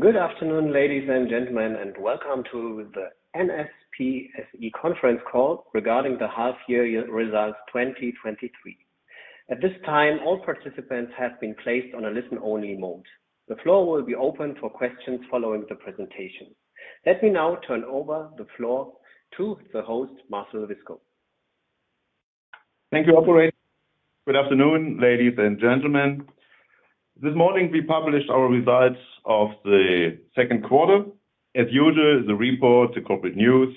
Good afternoon, ladies and gentlemen. Welcome to the SNP SE conference call regarding the half-year results 2023. At this time, all participants have been placed on a listen-only mode. The floor will be open for questions following the presentation. Let me now turn over the floor to the host, Marcel Wiskow. Thank you, operator. Good afternoon, ladies and gentlemen. This morning, we published our results of the second quarter. As usual, the report, the corporate news,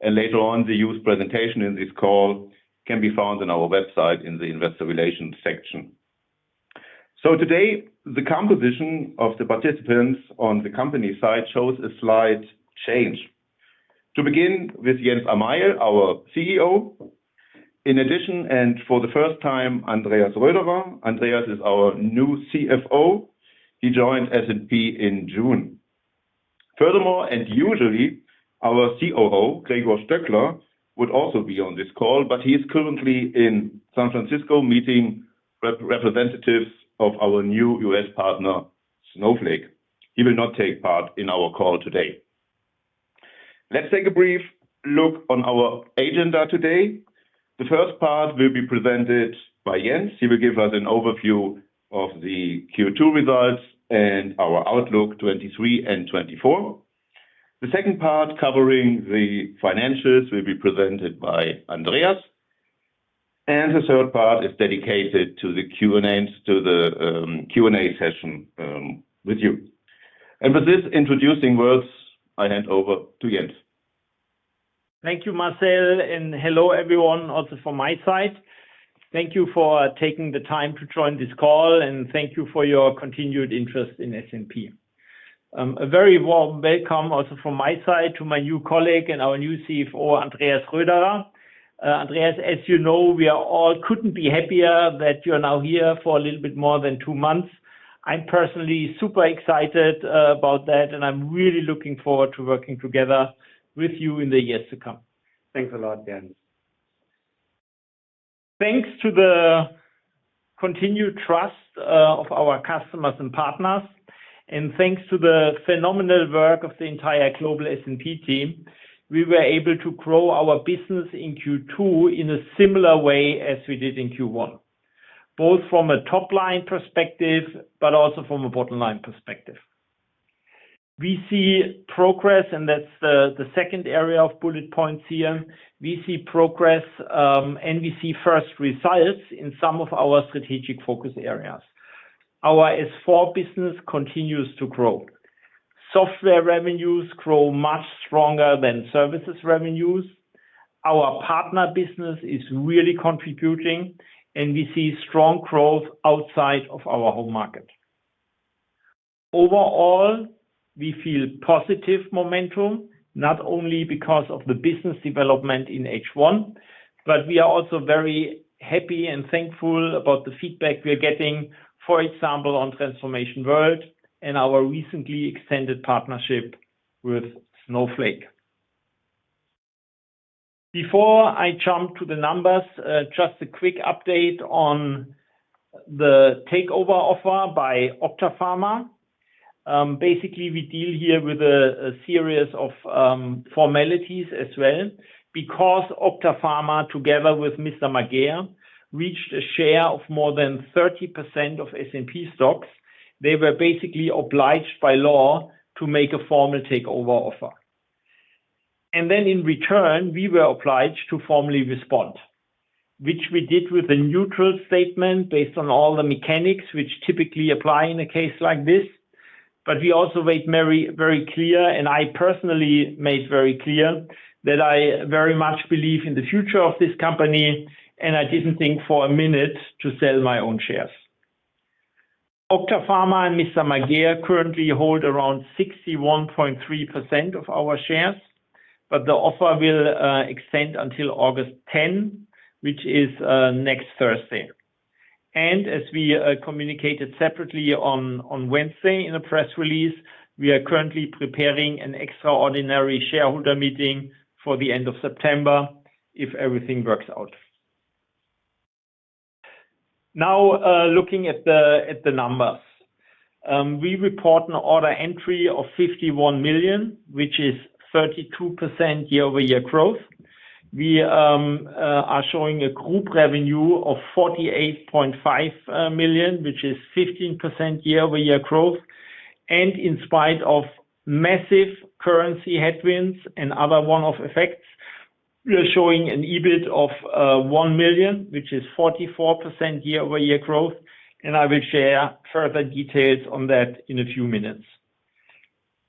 and later on, the use presentation in this call can be found on our website in the Investor Relations section. Today, the composition of the participants on the company side shows a slight change. To begin with Jens Amail, our CEO. In addition, and for the first time, Andreas Röderer. Andreas is our new CFO. He joined SNP in June. Furthermore, and usually, our COO, Gregor Stöckler, would also be on this call, but he is currently in San Francisco, meeting representatives of our new U.S. partner, Snowflake. He will not take part in our call today. Let's take a brief look on our agenda today. The first part will be presented by Jens. He will give us an overview of the Q2 results and our outlook 2023 and 2024. The second part, covering the financials, will be presented by Andreas, and the third part is dedicated to the Q&A, to the Q&A session with you. With this introducing words, I hand over to Jens. Thank you, Marcel, and hello, everyone, also from my side. Thank you for taking the time to join this call, and thank you for your continued interest in SNP. A very warm welcome also from my side to my new colleague and our new CFO, Andreas Röderer. Andreas, as you know, we couldn't be happier that you are now here for a little bit more than two months. I'm personally super excited about that, and I'm really looking forward to working together with you in the years to come. Thanks a lot, Jens. Thanks to the continued trust of our customers and partners, and thanks to the phenomenal work of the entire global SNP team, we were able to grow our business in Q2 in a similar way as we did in Q1, both from a top-line perspective, but also from a bottom-line perspective. We see progress, and that's the, the second area of bullet points here. We see progress, and we see first results in some of our strategic focus areas. Our S/4 business continues to grow. Software revenues grow much stronger than services revenues. Our partner business is really contributing, and we see strong growth outside of our home market. Overall, we feel positive momentum, not only because of the business development in H1, but we are also very happy and thankful about the feedback we are getting, for example, on Transformation World and our recently extended partnership with Snowflake. Before I jump to the numbers, just a quick update on the takeover offer by Octapharma. Basically, we deal here with a series of formalities as well. Octapharma, together with Mr. Mager, reached a share of more than 30% of SNP stocks, they were basically obliged by law to make a formal takeover offer. Then in return, we were obliged to formally respond, which we did with a neutral statement based on all the mechanics, which typically apply in a case like this. We also made very, very clear, and I personally made very clear, that I very much believe in the future of this company, and I didn't think for a minute to sell my own shares. Octapharma and Mr. Mager currently hold around 61.3% of our shares, the offer will extend until August 10, which is next Thursday. As we communicated separately on, on Wednesday in a press release, we are currently preparing an extraordinary shareholder meeting for the end of September, if everything works out. Now, looking at the numbers. We report an order entry of 51 million, which is 32% year-over-year growth. We are showing a group revenue of 48.5 million, which is 15% year-over-year growth. In spite of massive currency headwinds and other one-off effects, we are showing an EBIT of 1 million, which is 44% year-over-year growth. I will share further details on that in a few minutes.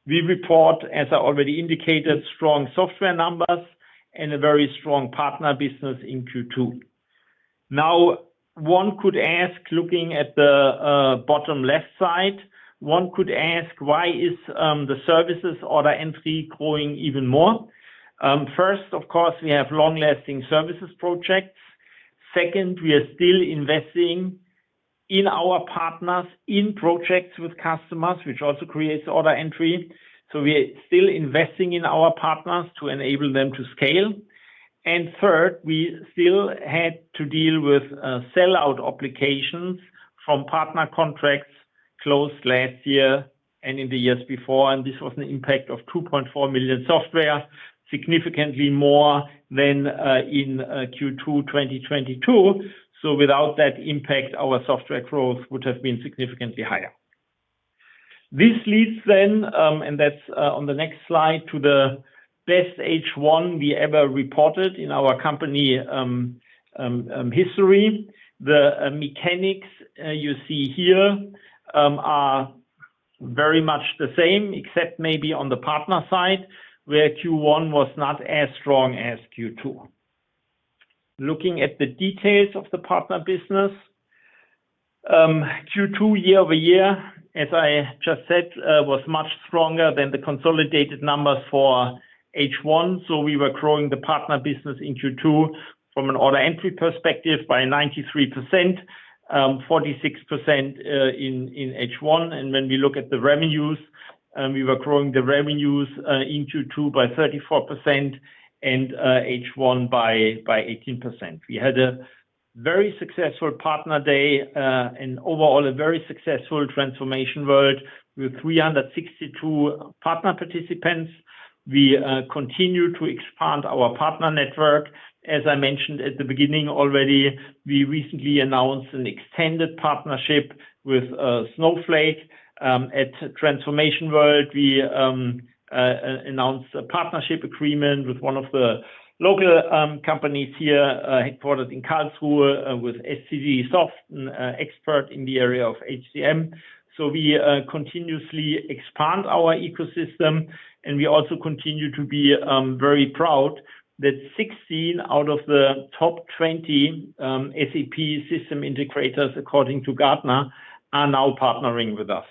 We report, as I already indicated, strong software numbers and a very strong partner business in Q2. One could ask, looking at the bottom left side, one could ask, "Why is the services order entry growing even more?" First, of course, we have long-lasting services projects. Second, we are still investing in our partners in projects with customers, which also creates order entry. We are still investing in our partners to enable them to scale. Third, we still had to deal with sell-out applications from partner contracts closed last year and in the years before, and this was an impact of 2.4 million software, significantly more than in Q2 2022. Without that impact, our software growth would have been significantly higher. This leads then, and that's on the next slide, to the best H1 we ever reported in our company history. The mechanics you see here are very much the same, except maybe on the partner side, where Q1 was not as strong as Q2. Looking at the details of the partner business, Q2 year-over-year, as I just said, was much stronger than the consolidated numbers for H1. We were growing the partner business in Q2 from an order entry perspective by 93%, 46% in H1. When we look at the revenues, we were growing the revenues in Q2 by 34% and H1 by 18%. We had a very successful partner day and overall, a very successful Transformation World, with 362 partner participants. We continue to expand our partner network. As I mentioned at the beginning already, we recently announced an extended partnership with Snowflake. At Transformation World, we announced a partnership agreement with one of the local companies here, headquartered in Karlsruhe, with sovanta, an expert in the area of HCM. We continuously expand our ecosystem, and we also continue to be very proud that 16 out of the top 20 SAP system integrators, according to Gartner, are now partnering with us.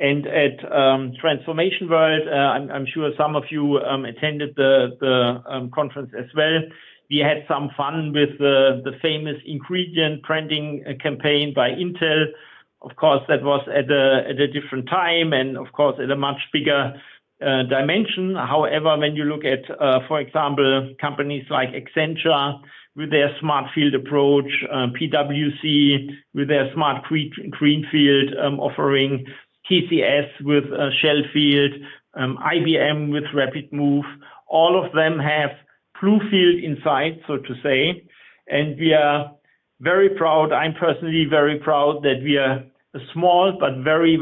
At Transformation World, I'm sure some of you attended the conference as well. We had some fun with the famous ingredient branding campaign by Intel. Of course, that was at a different time, and of course, at a much bigger dimension. However, when you look at, for example, companies like Accenture with their Smart Field approach, PwC with their Smart Greenfield offering, TCS with Shell Field, IBM with RapidMove, all of them have BLUEFIELD in sight, so to say, and we are very proud. I'm personally very proud that we are a small but very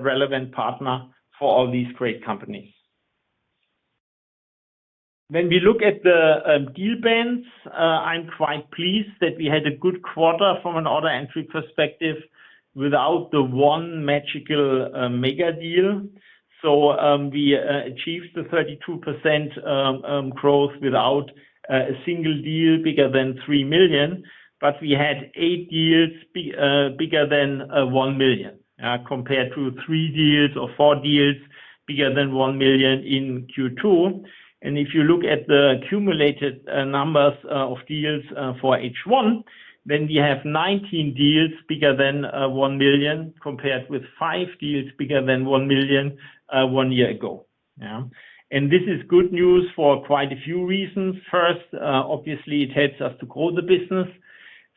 relevant partner for all these great companies. When we look at the deal bands, I'm quite pleased that we had a good quarter from an order entry perspective without the one magical mega deal. We achieved the 32% growth without a single deal bigger than 3 million, but we had eight deals bigger than 1 million compared to three deals or four deals bigger than 1 million in Q2. If you look at the accumulated numbers of deals for H1, then we have 19 deals bigger than 1 million, compared with five deals bigger than 1 million one year ago. This is good news for quite a few reasons. First, obviously, it helps us to grow the business.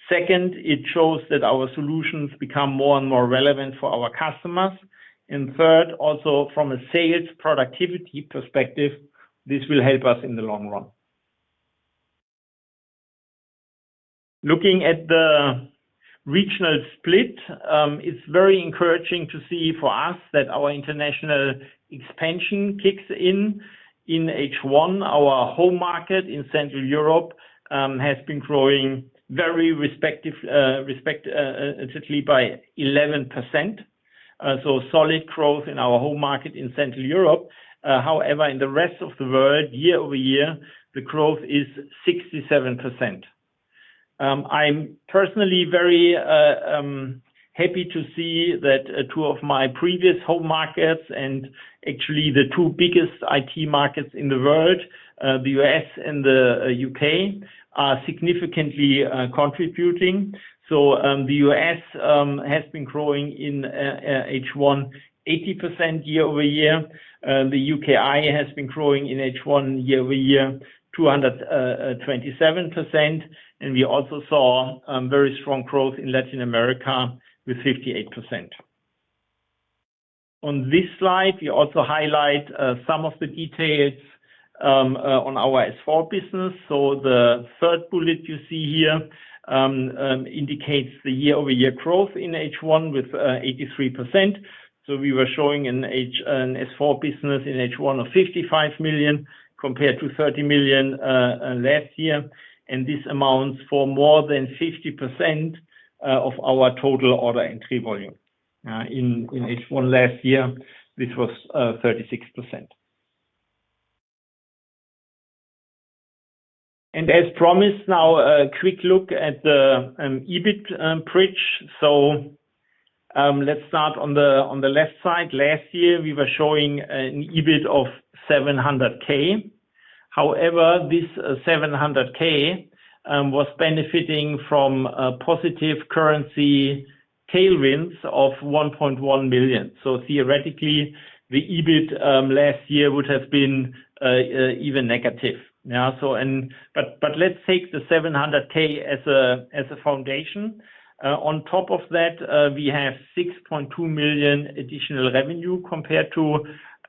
Second, it shows that our solutions become more and more relevant for our customers. Third, also from a sales productivity perspective, this will help us in the long run. Looking at the regional split, it's very encouraging to see for us that our international expansion kicks in. In H1, our home market in Central Europe has been growing very respectively by 11%. However, in the rest of the world, year over year, the growth is 67%. I'm personally very happy to see that two of my previous home markets and actually the two biggest IT markets in the world, the U.S. and the U.K., are significantly contributing. The U.S. has been growing in H1, 80% year-over-year. The UKI has been growing in H1, year-over-year, 227%, and we also saw very strong growth in Latin America with 58%. On this slide, we also highlight some of the details on our S4 business. The third bullet you see here indicates the year-over-year growth in H1 with 83%. We were showing an S4 business in H1 of 55 million, compared to 30 million last year, and this amounts for more than 50% of our total order entry volume. In H1 last year, this was 36%. As promised, now a quick look at the EBIT bridge. let's start on the, on the left side. Last year, we were showing an EBIT of 700k. However, this 700k was benefiting from a positive currency tailwinds of 1.1 billion. Theoretically, the EBIT last year would have been even negative. Now, but let's take the 700k as a, as a foundation. On top of that, we have 6.2 million additional revenue compared to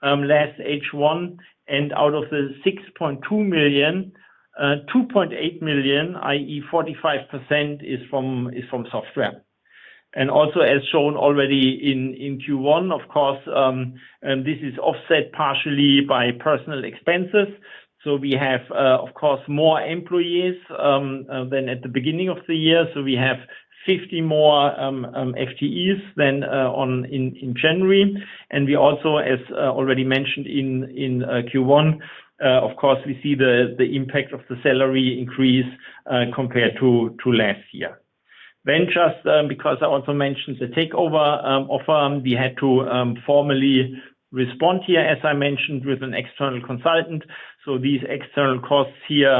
last H1, and out of the 6.2 million, 2.8 million, i.e., 45%, is from, is from software. Also, as shown already in, in Q1, of course, and this is offset partially by personnel expenses. We have, of course, more employees than at the beginning of the year, so we have 50 more FTEs than on, in, in January. We also, as already mentioned in Q1, of course, we see the impact of the salary increase compared to last year. Just, because I also mentioned the takeover offer, we had to formally respond here, as I mentioned, with an external consultant. These external costs here,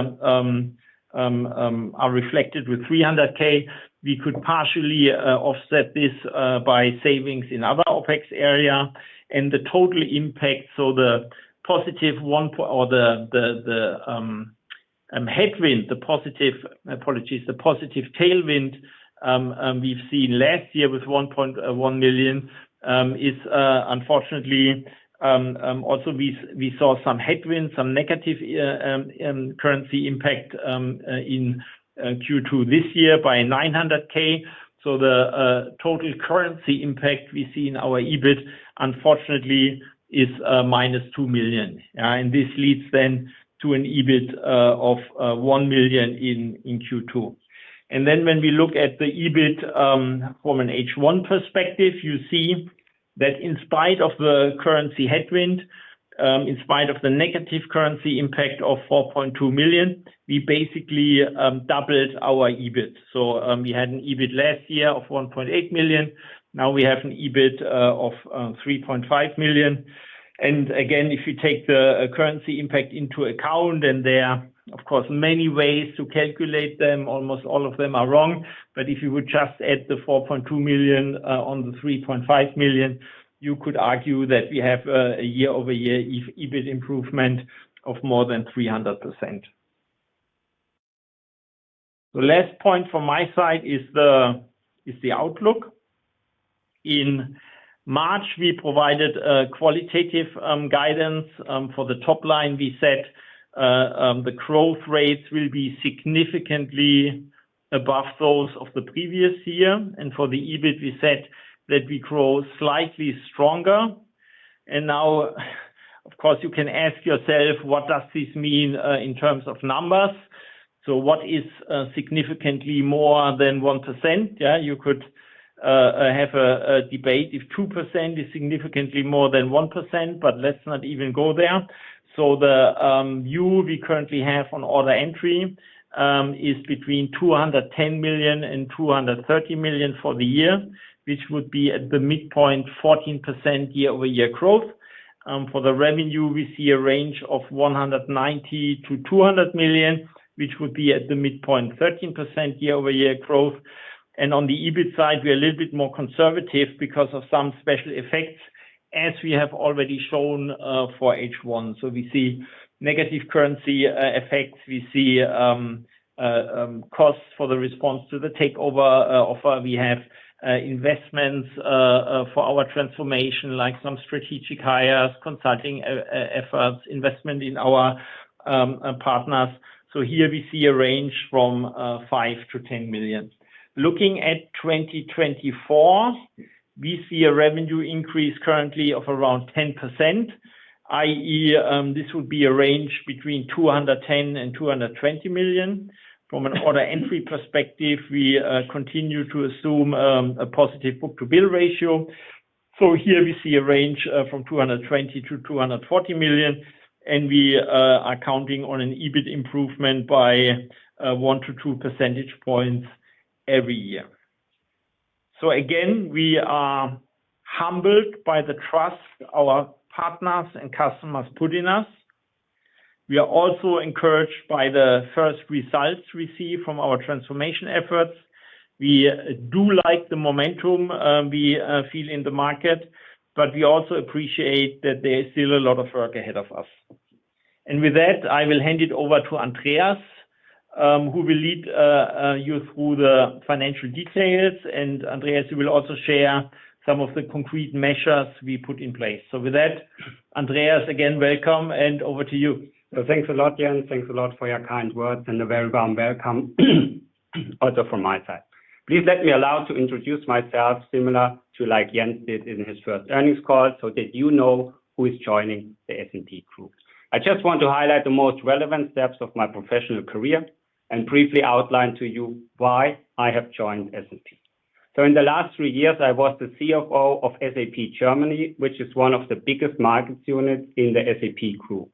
are reflected with 300,000. We could partially offset this by savings in other OpEx area and the total impact, so the positive one, the positive tailwind we've seen last year with 1.1 million is unfortunately also, we saw some headwinds, some negative currency impact in Q2 this year by 900K. The total currency impact we see in our EBIT, unfortunately, is -2 million. This leads then to an EBIT of 1 million in Q2. When we look at the EBIT from an H1 perspective, you see that in spite of the currency headwind, in spite of the negative currency impact of 4.2 million, we basically doubled our EBIT. We had an EBIT last year of 1.8 million, now we have an EBIT of 3.5 million. Again, if you take the currency impact into account, and there are, of course, many ways to calculate them, almost all of them are wrong, but if you would just add the 4.2 million on the 3.5 million, you could argue that we have a year-over-year E-EBIT improvement of more than 300%. The last point from my side is the outlook. In March, we provided a qualitative guidance for the top line. We said, "The growth rates will be significantly above those of the previous year." For the EBIT, we said that we grow slightly stronger. Of course, you can ask yourself, what does this mean in terms of numbers? What is significantly more than 1%? Yeah, you could have a debate if 2% is significantly more than 1%, let's not even go there. The view we currently have on order entry is between 210 million and 230 million for the year, which would be at the midpoint, 14% year-over-year growth. For the revenue, we see a range of 190 million-200 million, which would be at the midpoint, 13% year-over-year growth. On the EBIT side, we are a little bit more conservative because of some special effects, as we have already shown for H1. We see negative currency effects, we see costs for the response to the takeover offer. We have investments for our transformation, like some strategic hires, consulting efforts, investment in our partners. Here we see a range from 5 million-10 million. Looking at 2024, we see a revenue increase currently of around 10%, i.e., this would be a range between 210 million and 220 million. From an order entry perspective, we continue to assume a positive book-to-bill ratio. Here we see a range from 220 million-240 million, and we are counting on an EBIT improvement by 1-2 percentage points every year. Again, we are humbled by the trust our partners and customers put in us. We are also encouraged by the first results we see from our transformation efforts. We do like the momentum we feel in the market, but we also appreciate that there is still a lot of work ahead of us. With that, I will hand it over to Andreas, who will lead you through the financial details, and Andreas will also share some of the concrete measures we put in place. With that, Andreas, again, welcome, and over to you. Thanks a lot, Jens. Thanks a lot for your kind words and a very warm welcome, also from my side. Please let me allow to introduce myself similar to like Jens did in his first earnings call, so that you know who is joining the SNP crew. I just want to highlight the most relevant steps of my professional career and briefly outline to you why I have joined SNP. In the last three years, I was the CFO of SAP Germany, which is one of the biggest markets units in the SAP group.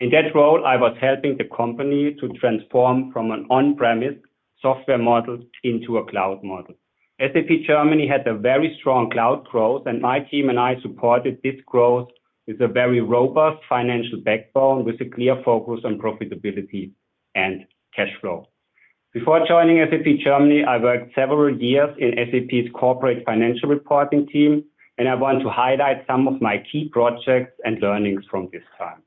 In that role, I was helping the company to transform from an on-premise software model into a cloud model. SAP Germany had a very strong cloud growth, and my team and I supported this growth with a very robust financial backbone, with a clear focus on profitability and cash flow. Before joining SAP Germany, I worked several years in SAP's corporate financial reporting team, and I want to highlight some of my key projects and learnings from this time.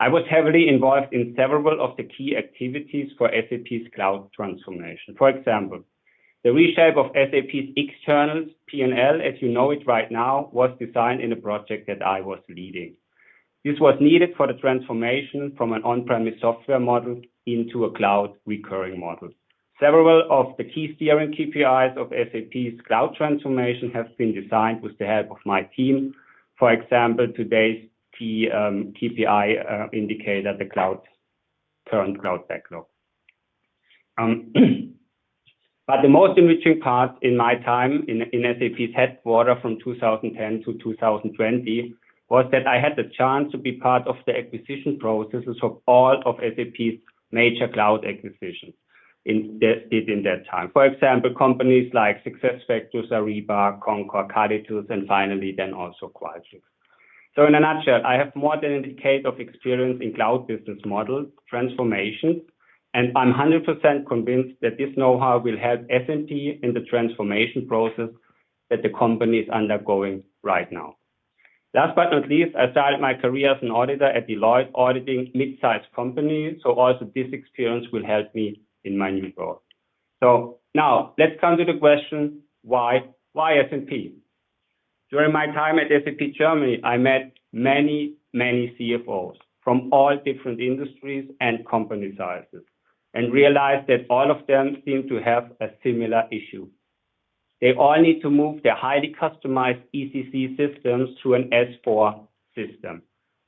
I was heavily involved in several of the key activities for SAP's cloud transformation. For example, the reshape of SAP's external P&L, as you know it right now, was designed in a project that I was leading. This was needed for the transformation from an on-premise software model into a cloud recurring model. Several of the key steering KPIs of SAP's cloud transformation have been designed with the help of my team. For example, today's key KPI indicator, the cloud current cloud backlog. The most enriching part in my time in, in SAP's headquarter from 2010 to 2020, was that I had the chance to be part of the acquisition processes of all of SAP's major cloud acquisitions in that, in that time. For example, companies like SuccessFactors, Ariba, Concur, Qualtrics, and finally, then also Qualtrics. In a nutshell, I have more than a decade of experience in cloud business model transformation, and I'm 100% convinced that this know-how will help SNP in the transformation process that the company is undergoing right now. Last but not least, I started my career as an auditor at Deloitte, auditing mid-sized companies, so also this experience will help me in my new role. Now, let's come to the question, why? Why SNP? During my time at SAP Germany, I met many, many CFOs from all different industries and company sizes, and realized that all of them seem to have a similar issue. They all need to move their highly customized ECC systems to an S/4 system.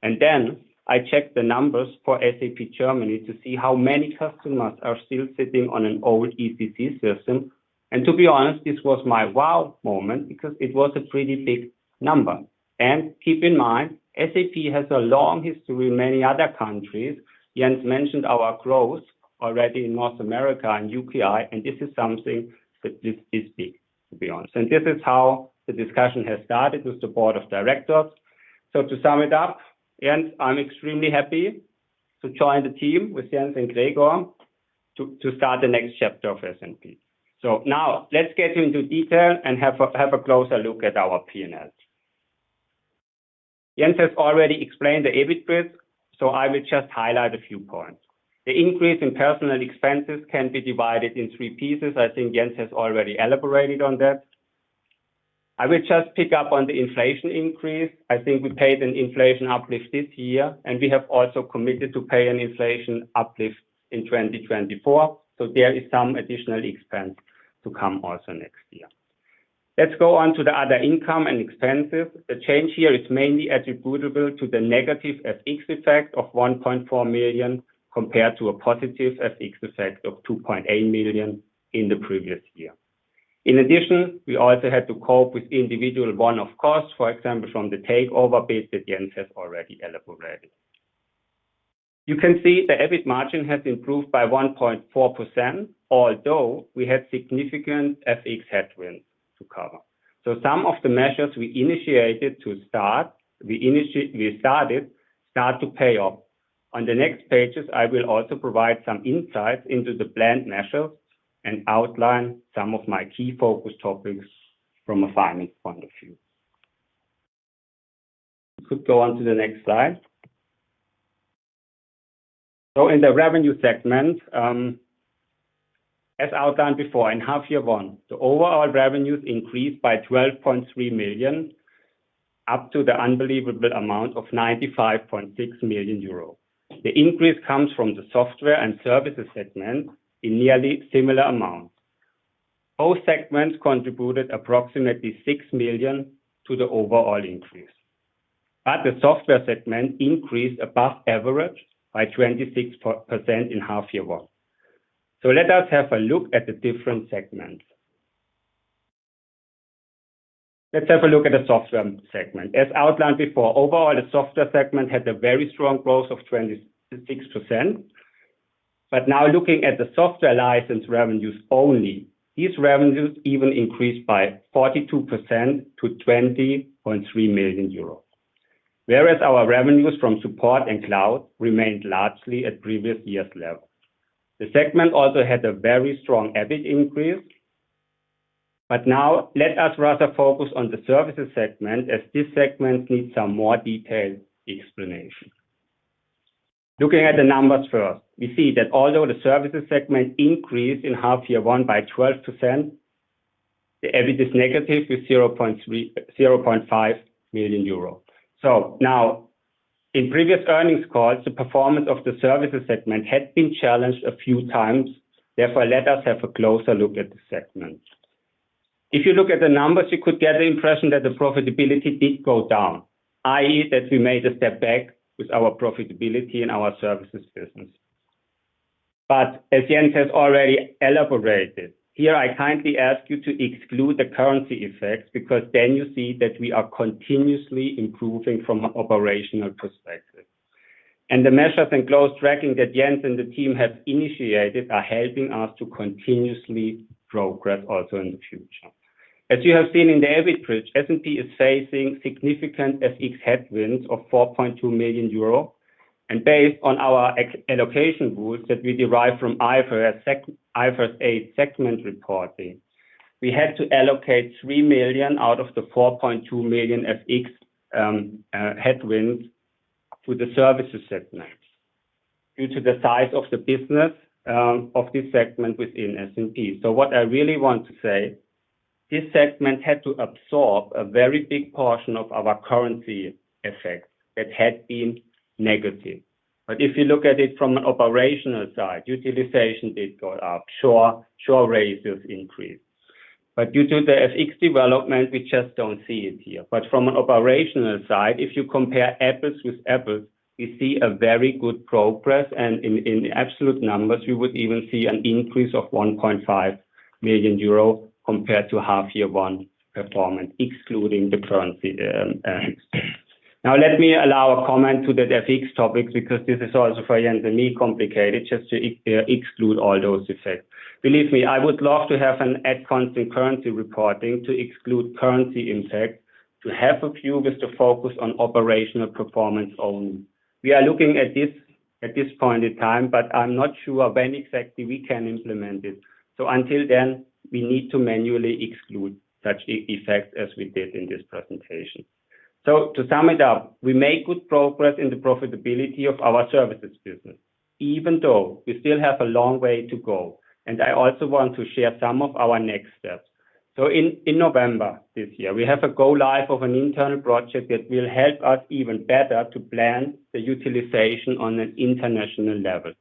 Then, I checked the numbers for SAP Germany to see how many customers are still sitting on an old ECC system. To be honest, this was my wow moment because it was a pretty big number. Keep in mind, SAP has a long history in many other countries. Jens mentioned our growth already in North America and UKI, and this is something that is, is big, to be honest. This is how the discussion has started with the board of directors. To sum it up, Jens, I'm extremely happy to join the team with Jens and Gregor to start the next chapter of SNP. Now, let's get into detail and have a closer look at our P&L. Jens has already explained the EBIT bridge, so I will just highlight a few points. The increase in personal expenses can be divided in three pieces. I think Jens has already elaborated on that. I will just pick up on the inflation increase. I think we paid an inflation uplift this year, and we have also committed to pay an inflation uplift in 2024, so there is some additional expense to come also next year. Let's go on to the other income and expenses. The change here is mainly attributable to the negative FX effect of 1.4 million, compared to a positive FX effect of 2.8 million in the previous year. In addition, we also had to cope with individual one-off costs, for example, from the takeover base that Jens has already elaborated. You can see the EBIT margin has improved by 1.4%, although we had significant FX headwinds to cover. Some of the measures we initiated to start, we started, start to pay off. On the next pages, I will also provide some insight into the planned measures and outline some of my key focus topics from a finance point of view. You could go on to the next slide. In the revenue segment, as outlined before, in half year 1, the overall revenues increased by 12.3 million, up to the unbelievable amount of 95.6 million euro. The increase comes from the software and services segment in nearly similar amounts. Both segments contributed approximately 6 million to the overall increase, but the software segment increased above average by 26% in half year one. Let us have a look at the different segments. Let's have a look at the software segment. As outlined before, overall, the software segment had a very strong growth of 26%. Now, looking at the software license revenues only, these revenues even increased by 42% to 20.3 million euros. Whereas our revenues from support and cloud remained largely at previous years' level. The segment also had a very strong EBIT increase. Now, let us rather focus on the services segment, as this segment needs some more detailed explanation. Looking at the numbers first, we see that although the services segment increased in half year one by 12%, the EBIT is negative, with 0.3... 0.5 million euro. Now, in previous earnings calls, the performance of the services segment had been challenged a few times. Therefore, let us have a closer look at the segment. If you look at the numbers, you could get the impression that the profitability did go down, i.e., that we made a step back with our profitability and our services business. As Jens has already elaborated, here, I kindly ask you to exclude the currency effects, because then you see that we are continuously improving from an operational perspective. The measures and close tracking that Jens and the team have initiated are helping us to continuously progress also in the future. As you have seen in the EBIT bridge, S&P is facing significant FX headwinds of 4.2 million euro, and based on our allocation rules that we derived from IFRS 8 segment reporting, we had to allocate 3 million out of the 4.2 million FX headwinds to the services segment due to the size of the business of this segment within S&P. What I really want to say, this segment had to absorb a very big portion of our currency effect that had been negative. If you look at it from an operational side, utilization did go up. Sure, sure, ratios increased. Due to the FX development, we just don't see it here. From an operational side, if you compare apples with apples, we see a very good progress, and in absolute numbers, we would even see an increase of 1.5 million euro compared to half year one performance, excluding the currency. Now, let me allow a comment to the FX topic, because this is also, for Jens and me, complicated just to exclude all those effects. Believe me, I would love to have an at constant currency reporting to exclude currency impact, to help you with the focus on operational performance only. We are looking at this at this point in time, but I'm not sure when exactly we can implement it. Until then, we need to manually exclude such effects as we did in this presentation. To sum it up, we made good progress in the profitability of our services business, even though we still have a long way to go, and I also want to share some of our next steps. In November this year, we have a go live of an internal project that will help us even better to plan the utilization on an international level.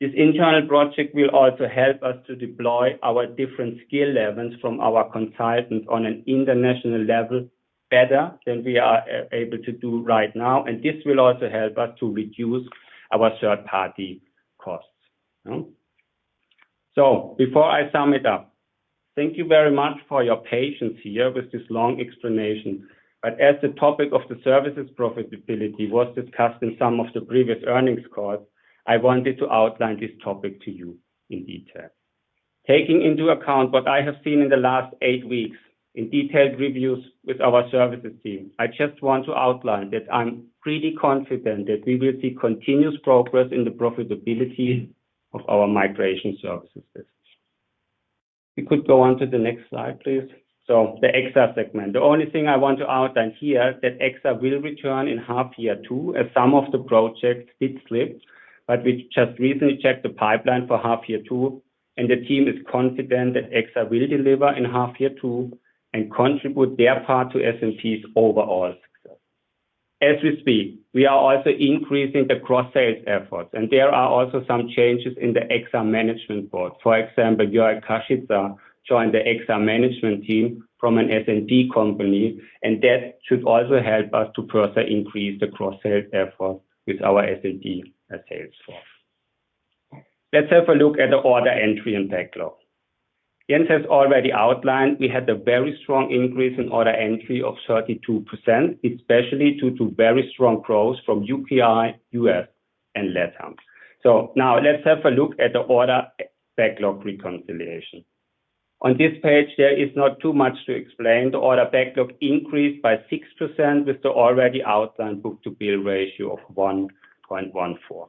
This internal project will also help us to deploy our different skill levels from our consultants on an international level, better than we are able to do right now, and this will also help us to reduce our third-party costs. Hmm. Before I sum it up, thank you very much for your patience here with this long explanation, but as the topic of the services profitability was discussed in some of the previous earnings calls, I wanted to outline this topic to you in detail. Taking into account what I have seen in the last eight weeks in detailed reviews with our services team, I just want to outline that I'm pretty confident that we will see continuous progress in the profitability of our migration services business. We could go on to the next slide, please. The XR segment. The only thing I want to outline here, that XR will return in half year two, as some of the projects did slip, but we just recently checked the pipeline for half year two, and the team is confident that XR will deliver in half year two and contribute their part to S&P's overall success. As we speak, we are also increasing the cross-sales efforts, and there are also some changes in the XR management board. For example, Joel Kasprza joined the XR management team from an S&P company, and that should also help us to further increase the cross-sales effort with our S&P sales force. Let's have a look at the order entry and backlog. Jens has already outlined we had a very strong increase in order entry of 32%, especially due to very strong growth from UPI, U.S., and LatAm. Now let's have a look at the order backlog reconciliation. On this page, there is not too much to explain. The order backlog increased by 6%, with the already outlined book-to-bill ratio of 1.14.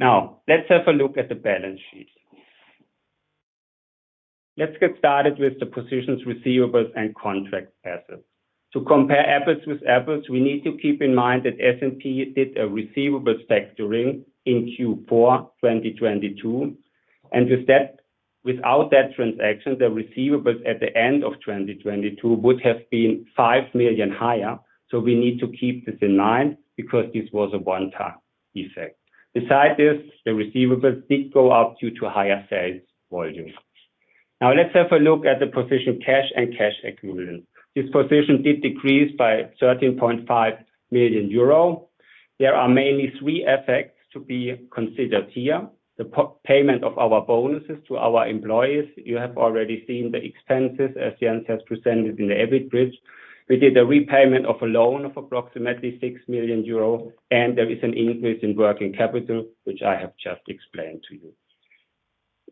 Now, let's have a look at the balance sheet. Let's get started with the positions, receivables, and contract assets. To compare apples with apples, we need to keep in mind that S&P did a receivables factoring in Q4 2022, without that transaction, the receivables at the end of 2022 would have been 5 million higher. We need to keep this in mind because this was a one-time effect. Besides this, the receivables did go up due to higher sales volumes. Now, let's have a look at the position of cash and cash equivalent. This position did decrease by 13.5 million euro. There are mainly three effects to be considered here. The payment of our bonuses to our employees. You have already seen the expenses, as Jens has presented in the EBIT bridge. We did a repayment of a loan of approximately 6 million euro, and there is an increase in working capital, which I have just explained to you.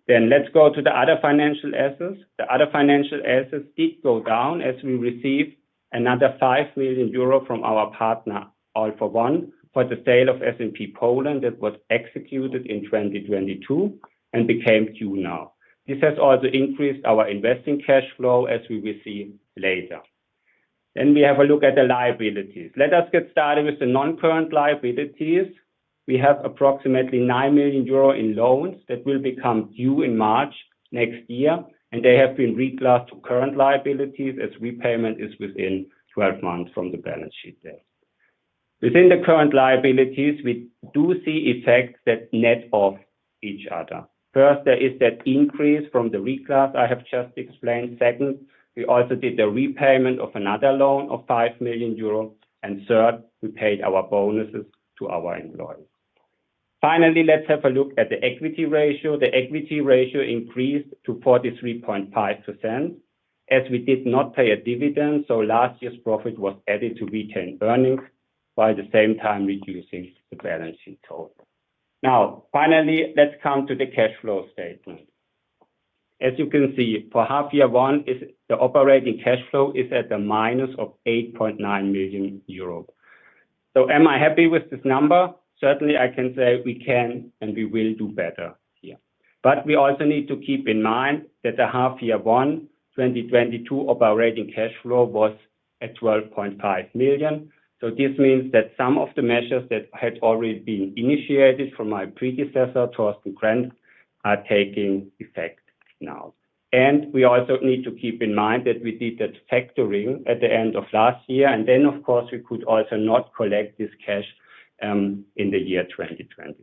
Let's go to the other financial assets. The other financial assets did go down, as we received another 5 million euro from our partner, All for One, for the sale of S&P Poland that was executed in 2022 and became due now. This has also increased our investing cash flow, as we will see later. We have a look at the liabilities. Let us get started with the non-current liabilities. We have approximately 9 million euro in loans that will become due in March next year, and they have been reclassed to current liabilities as repayment is within 12 months from the balance sheet date. Within the current liabilities, we do see effects that net off each other. First, there is that increase from the reclass I have just explained. Second, we also did the repayment of another loan of 5 million euro. Third, we paid our bonuses to our employees. Finally, let's have a look at the equity ratio. The equity ratio increased to 43.5%, as we did not pay a dividend, so last year's profit was added to retained earnings, while at the same time reducing the balancing total. Now, finally, let's come to the cash flow statement. As you can see, for half year one, the operating cash flow is at the minus of 8.9 million euro. Am I happy with this number? Certainly, I can say we can and we will do better here. We also need to keep in mind that the half year one, 2022 operating cash flow was at 12.5 million. This means that some of the measures that had already been initiated from my predecessor, Thorsten Grenz, are taking effect now. We also need to keep in mind that we did that factoring at the end of last year, and then, of course, we could also not collect this cash in the year 2023.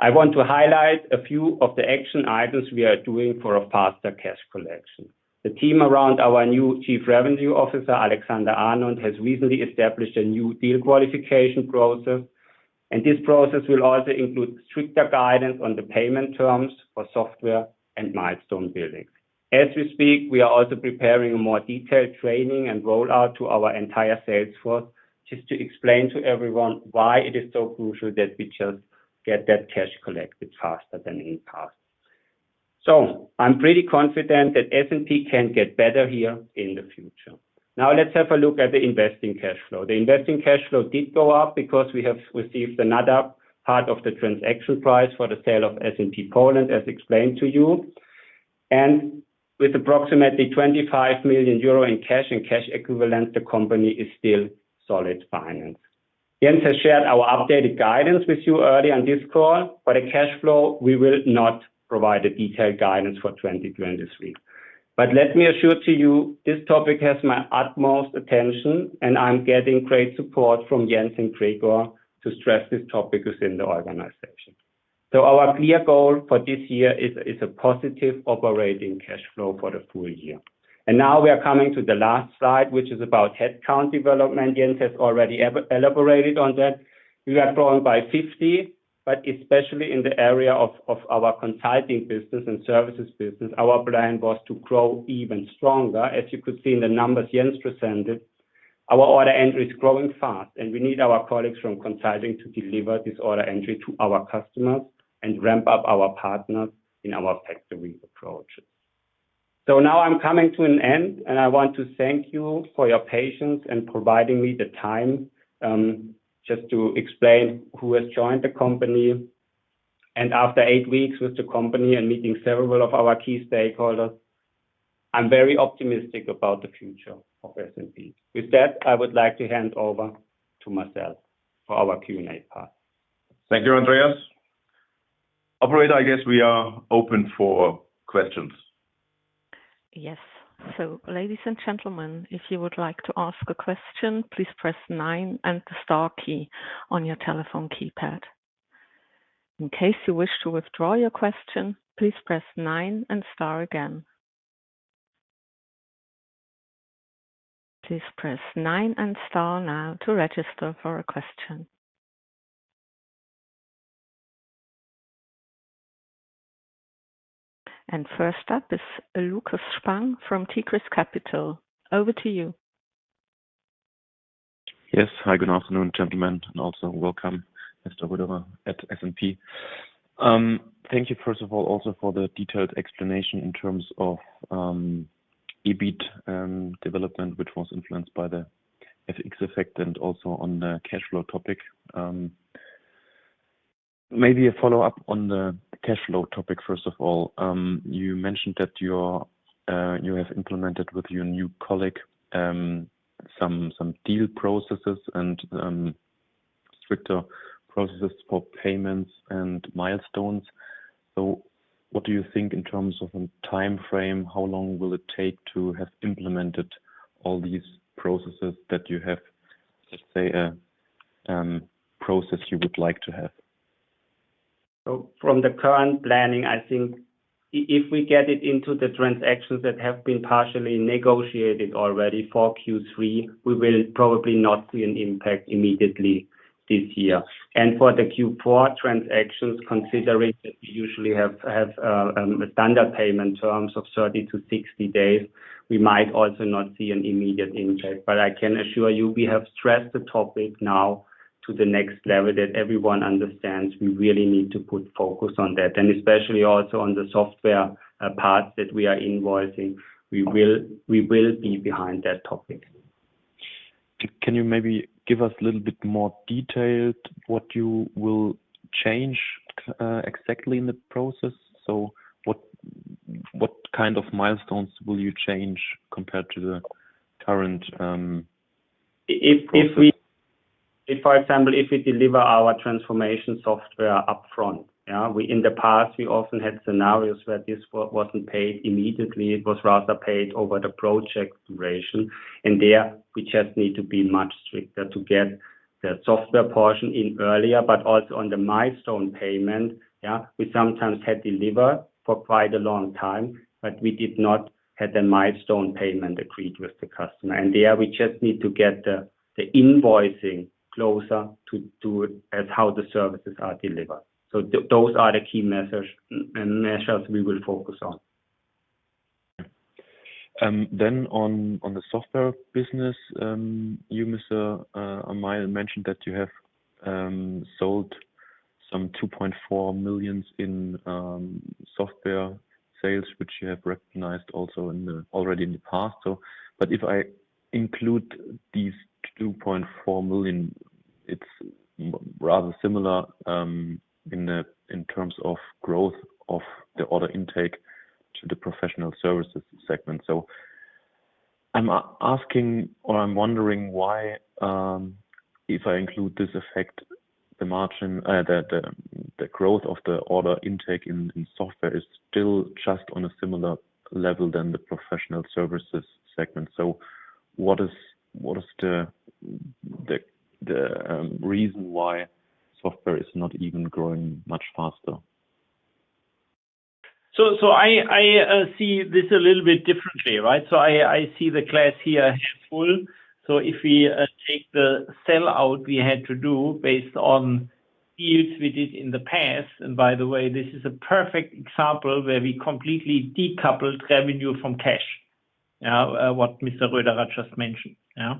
I want to highlight a few of the action items we are doing for a faster cash collection. The team around our new Chief Revenue Officer, Alexander Arnold, has recently established a new deal qualification process. This process will also include stricter guidance on the payment terms for software and milestone billing. As we speak, we are also preparing a more detailed training and rollout to our entire sales force, just to explain to everyone why it is so crucial that we just get that cash collected faster than in past. I'm pretty confident that SNP can get better here in the future. Let's have a look at the investing cash flow. The investing cash flow did go up because we have received another part of the transaction price for the sale of SNP Poland, as explained to you. With approximately 25 million euro in cash and cash equivalent, the company is still solid finance. Jens has shared our updated guidance with you earlier on this call, for the cash flow, we will not provide a detailed guidance for 2023. Let me assure to you, this topic has my utmost attention, and I'm getting great support from Jens and Gregor to stress this topic within the organization. Our clear goal for this year is is a positive operating cash flow for the full year. Now we are coming to the last slide, which is about headcount development. Jens has already elaborated on that. We are growing by 50, but especially in the area of of our consulting business and services business, our plan was to grow even stronger. As you could see in the numbers Jens presented, our order entry is growing fast, and we need our colleagues from consulting to deliver this order entry to our customers and ramp up our partners in our factory approach. Now I'm coming to an end, and I want to thank you for your patience and providing me the time, just to explain who has joined the company. After eight weeks with the company and meeting several of our key stakeholders, I'm very optimistic about the future of S&P. With that, I would like to hand over to myself for our Q&A part. Thank you, Andreas. Operator, I guess we are open for questions. Yes. Ladies and gentlemen, if you would like to ask a question, please press nine and the star key on your telephone keypad. In case you wish to withdraw your question, please press nine and star again. Please press nine and star now to register for a question. First up is Lukas Spang from Tigris Capital. Over to you. Yes. Hi, good afternoon, gentlemen, also welcome, Mr. Röderer at S&P. Thank you, first of all, also for the detailed explanation in terms of EBIT development, which was influenced by the FX effect and also on the cash flow topic. Maybe a follow-up on the cash flow topic, first of all. You mentioned that you're, you have implemented with your new colleague, some, some deal processes and stricter processes for payments and milestones. What do you think in terms of a time frame? How long will it take to have implemented all these processes that you have, let's say, a process you would like to have? From the current planning, I think if we get it into the transactions that have been partially negotiated already for Q3, we will probably not see an impact immediately this year. For the Q4 transactions, considering that we usually have, have a standard payment terms of 30-60 days, we might also not see an immediate impact. I can assure you, we have stressed the topic now to the next level, that everyone understands we really need to put focus on that. Especially also on the software part that we are invoicing, we will, we will be behind that topic. C-can you maybe give us a little bit more detailed what you will change exactly in the process? What, what kind of milestones will you change compared to the current process? If, for example, if we deliver our transformation software upfront. In the past, we often had scenarios where this wasn't paid immediately, it was rather paid over the project duration. There, we just need to be much stricter to get the software portion in earlier, but also on the milestone payment. We sometimes had delivered for quite a long time, but we did not have the milestone payment agreed with the customer. There, we just need to get the, the invoicing closer to, to as how the services are delivered. Those are the key measures, measures we will focus on. On, on the software business, you, Mr. Amail, mentioned that you have sold some $2.4 million in software sales, which you have recognized also in the, already in the past. If I include these $2.4 million, it's rather similar in the, in terms of growth of the order intake to the professional services segment. I'm asking or I'm wondering why, if I include this effect, the margin, the, the, the growth of the order intake in, in software is still just on a similar level than the professional services segment. What is, what is the, the, the reason why software is not even growing much faster? I, I see this a little bit differently, right? I, I see the class here full. If we take the sell out, we had to do based on deals we did in the past, and by the way, this is a perfect example where we completely decoupled revenue from cash, yeah, what Mr. Röderer just mentioned. Yeah.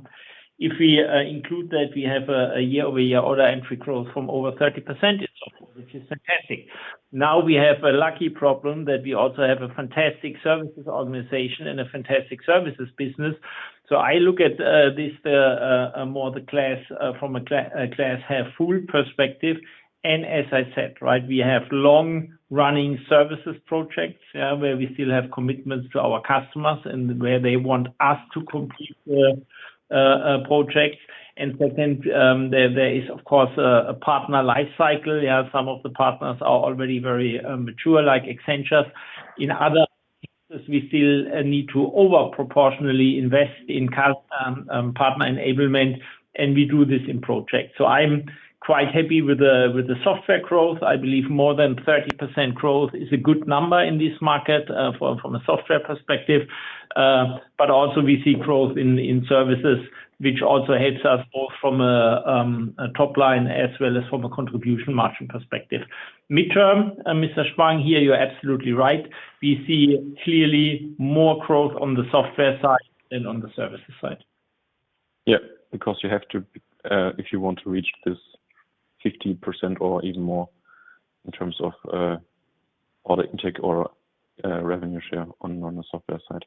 If we include that, we have a, a year-over-year order entry growth from over 30%, which is fantastic. We have a lucky problem that we also have a fantastic services organization and a fantastic services business. I look at this more the class from a class half full perspective. As I said, right, we have long-running services projects, yeah, where we still have commitments to our customers and where they want us to complete the projects. Second, there, there is, of course, a, a partner life cycle. Yeah, some of the partners are already very mature, like Accenture. In other cases, we still need to over proportionally invest in customer, partner enablement, and we do this in projects. So I'm quite happy with the, with the software growth. I believe more than 30% growth is a good number in this market, from, from a software perspective. Also we see growth in, in services, which also helps us both from a, a top line as well as from a contribution margin perspective. Midterm, Mr. Spang, here, you're absolutely right. We see clearly more growth on the software side than on the services side. Yeah, because you have to, if you want to reach this 50% or even more in terms of, order intake or, revenue share on, on the software side.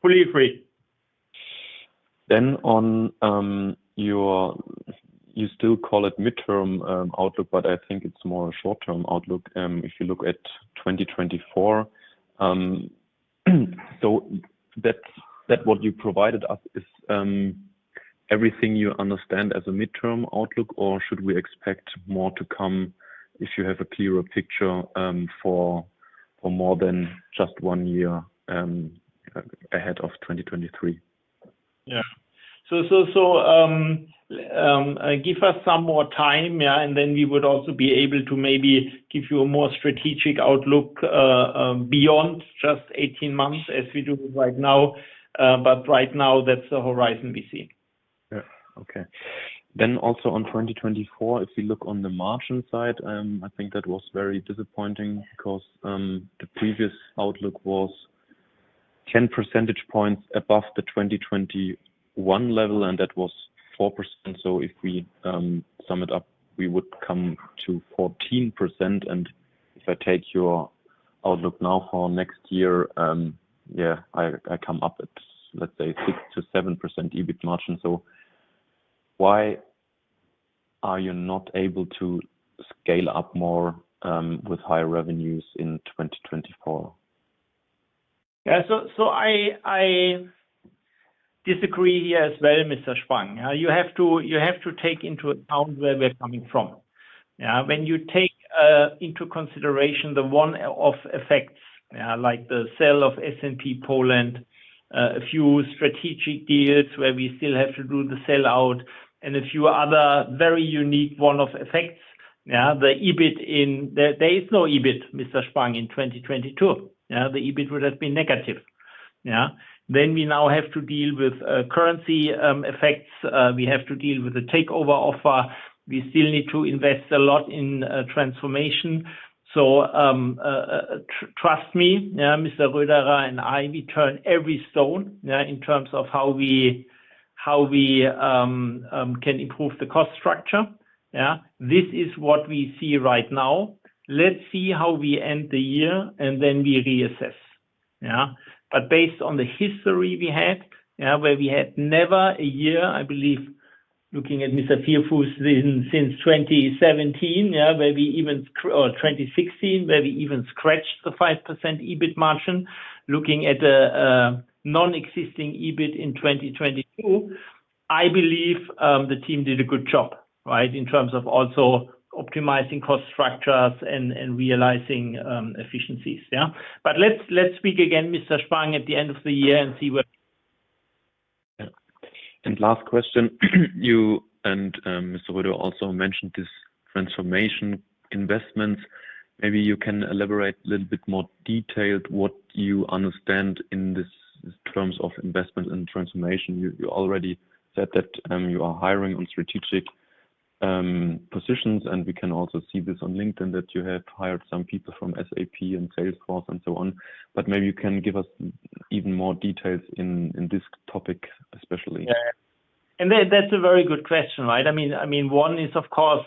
Fully agree. On your-- you still call it midterm outlook, but I think it's more a short-term outlook, if you look at 2024. That, that what you provided us is everything you understand as a midterm outlook, or should we expect more to come if you have a clearer picture, for, for more than just one year, ahead of 2023? Yeah. Give us some more time, yeah, and then we would also be able to maybe give you a more strategic outlook, beyond just 18 months as we do right now. Right now, that's the horizon we see. Yeah. Okay. Also on 2024, if we look on the margin side, I think that was very disappointing because the previous outlook was 10 percentage points above the 2021 level, and that was 4%. If we sum it up, we would come to 14%. If I take your outlook now for next year, yeah, I, I come up at, let's say, 6-7% EBIT margin. Why are you not able to scale up more, with higher revenues in 2024? Yeah. I, I disagree here as well, Mr. Spang. You have to take into account where we're coming from. When you take into consideration the one-off effects, like the sale of S&P Poland, a few strategic deals where we still have to do the sellout, and a few other very unique one-off effects, the EBIT. There is no EBIT, Mr. Spang, in 2022. The EBIT would have been negative. We now have to deal with currency effects. We have to deal with the takeover offer. We still need to invest a lot in transformation. Trust me, Mr. Röderer and I, we turn every stone in terms of how we, how we can improve the cost structure. This is what we see right now. Let's see how we end the year, and then we reassess. Yeah. Based on the history we had, yeah, where we had never a year, I believe, looking at Mr. Vierfuß, since, since 2017, yeah, where we even Or 2016, where we even scratched the 5% EBIT margin, looking at a, a non-existing EBIT in 2022, I believe, the team did a good job, right? In terms of also optimizing cost structures and, and realizing efficiencies. Yeah. Let's, let's speak again, Mr. Spang, at the end of the year and see. Yeah. Last question, you and, Mr. Röderer, also mentioned this transformation investments. Maybe you can elaborate a little bit more detailed what you understand in this terms of investment and transformation? You, you already said that, you are hiring on strategic-... positions, and we can also see this on LinkedIn, that you have hired some people from SAP and Salesforce, and so on. Maybe you can give us even more details in, in this topic, especially. Yeah. That's a very good question, right? I mean, I mean, one is, of course,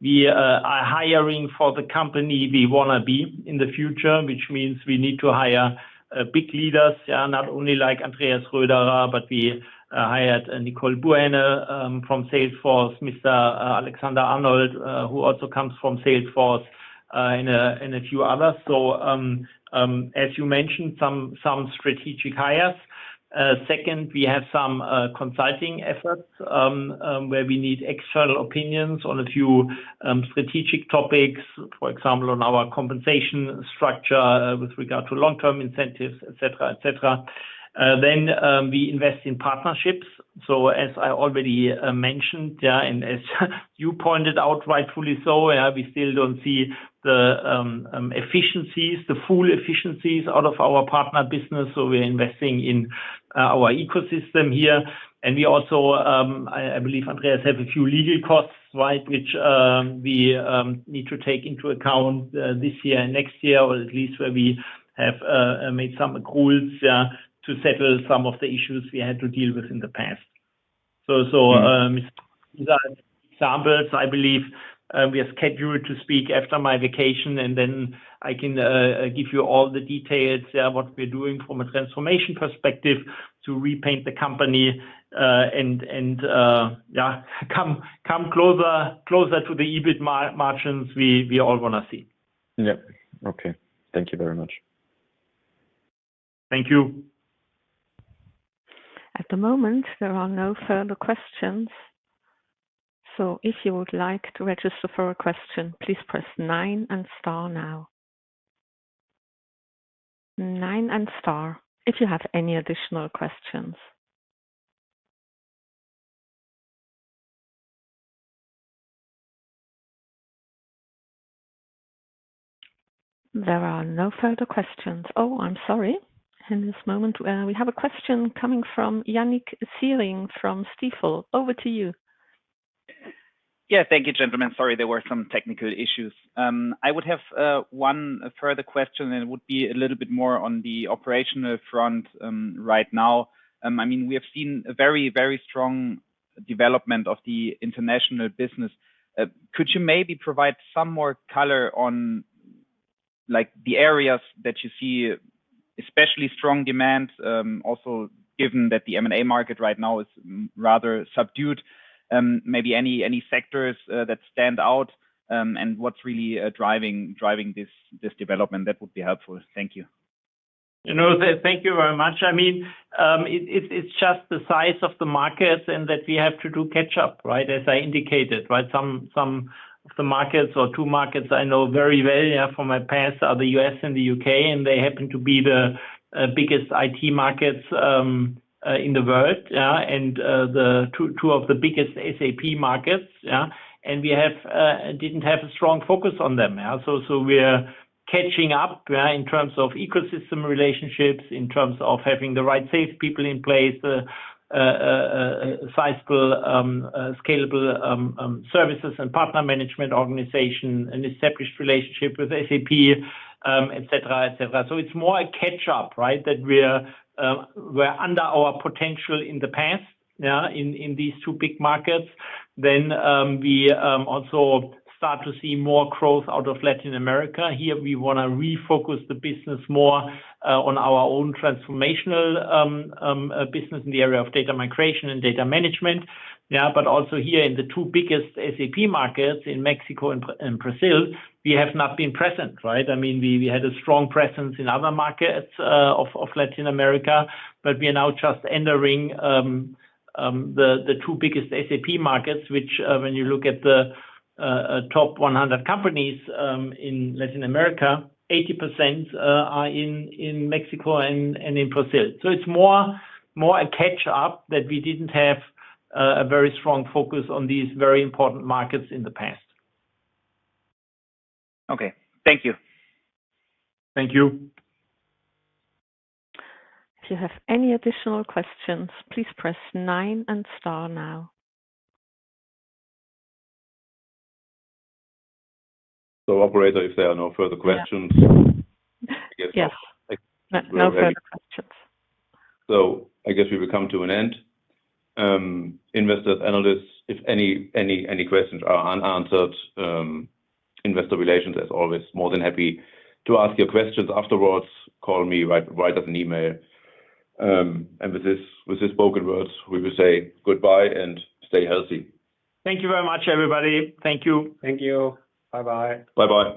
we are hiring for the company we wanna be in the future, which means we need to hire big leaders. Yeah, not only like Andreas Röderer, but we hired Nicole Burhenne from Salesforce, Mr. Alexander Arnold, who also comes from Salesforce, and a few others. As you mentioned, some strategic hires. Second, we have some consulting efforts where we need external opinions on a few strategic topics, for example, on our compensation structure with regard to long-term incentives, et cetera, et cetera. We invest in partnerships. As I already mentioned, yeah, and as you pointed out, rightfully so, we still don't see the efficiencies, the full efficiencies out of our partner business, so we're investing in our ecosystem here. We also, I, I believe Andreas have a few legal costs, right? Which we need to take into account this year and next year, or at least where we have made some accords, yeah, to settle some of the issues we had to deal with in the past. Mm. examples, I believe, we are scheduled to speak after my vacation, and then I can give you all the details, yeah, what we're doing from a transformation perspective to repaint the company, and, and, yeah, come, come closer, closer to the EBIT margins we, we all wanna see. Yep. Okay. Thank you very much. Thank you. At the moment, there are no further questions. If you would like to register for a question, please press nine and star now. Nine and star, if you have any additional questions. There are no further questions. Oh, I'm sorry. In this moment, we have a question coming from Yannik Siering from Stifel. Over to you. Yeah, thank you, gentlemen. Sorry, there were some technical issues. I would have one further question, and it would be a little bit more on the operational front right now. I mean, we have seen a very, very strong development of the international business. Could you maybe provide some more color on, like, the areas that you see especially strong demand, also given that the M&A market right now is rather subdued? Maybe any, any sectors that stand out, and what's really driving, driving this, this development? That would be helpful. Thank you. You know, thank you very much. I mean, it's just the size of the markets and that we have to do catch up, right? As I indicated, right? Some, some, some markets or two markets I know very well, yeah, from my past are the U.S. and the U.K., and they happen to be the biggest IT markets in the world, yeah, and the two, two of the biggest SAP markets, yeah. We didn't have a strong focus on them, yeah? We're catching up, yeah, in terms of ecosystem relationships, in terms of having the right sales people in place, sizable, scalable services and partner management organization, an established relationship with SAP, et cetera, et cetera. It's more a catch up, right? That we're, we're under our potential in the past, yeah, in these two big markets. We also start to see more growth out of Latin America. Here, we wanna refocus the business more on our own transformational business in the area of data migration and data management. Yeah, but also here in the two biggest SAP markets, in Mexico and Brazil, we have not been present, right? I mean, we had a strong presence in other markets of Latin America, but we are now just entering the two biggest SAP markets, which, when you look at the top 100 companies in Latin America, 80% are in Mexico and in Brazil. It's more, more a catch up, that we didn't have a, a very strong focus on these very important markets in the past. Okay. Thank you. Thank you. If you have any additional questions, please press nine and star now. Operator, if there are no further questions. Yes. I guess- Yes. Like- No further questions. I guess we will come to an end. Investors, analysts, if any, any, any questions are unanswered, investor relations is always more than happy to ask your questions afterwards, call me, write, write us an email. With this, with this spoken words, we will say goodbye and stay healthy. Thank you very much, everybody. Thank you. Thank you. Bye bye. Bye bye.